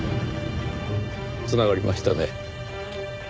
繋がりましたね。